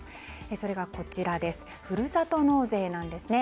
それが、ふるさと納税なんですね。